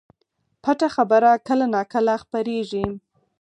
پټه خبره کله نا کله خپرېږي